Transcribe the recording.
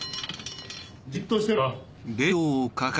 じっとしてろよ。